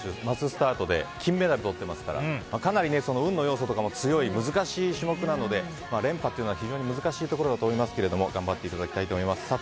マススタートで金メダルをとっていますからかなり運の要素とかも強い難しい種目なので連覇というのは非常に難しいところだと思いますけど頑張っていただきたいと思います。